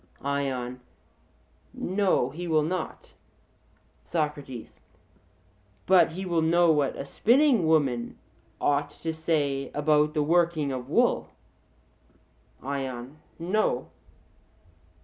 ION: No, he will not. SOCRATES: But he will know what a spinning woman ought to say about the working of wool? ION: No.